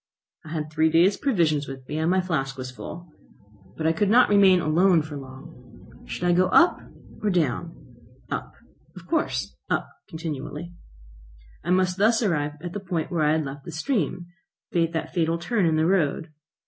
I had three days' provisions with me and my flask was full. But I could not remain alone for long. Should I go up or down? Up, of course; up continually. I must thus arrive at the point where I had left the stream, that fatal turn in the road.